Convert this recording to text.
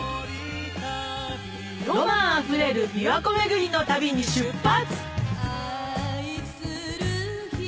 ロマンあふれる琵琶湖めぐりの旅に出発！